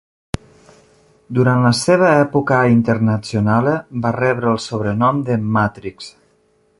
Durant la seva època a Internazionale, va rebre el sobrenom de "Matrix".